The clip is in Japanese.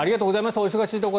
お忙しいところ。